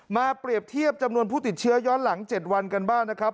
เปรียบเทียบจำนวนผู้ติดเชื้อย้อนหลัง๗วันกันบ้างนะครับ